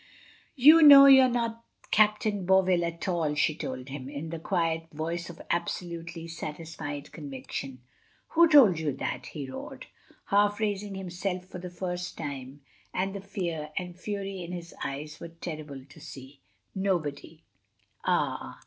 "You know you're not Captain Bovill at all," she told him, in the quiet voice of absolutely satisfied conviction. "Who told you that?" he roared, half raising himself for the first time, and the fear and fury in his eyes were terrible to see. "Nobody." "Ah!"